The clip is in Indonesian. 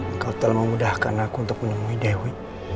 engkau telah memudahkan aku untuk menemui dewi